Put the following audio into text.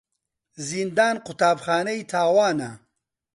زیندان قوتابخانەی تاوانە.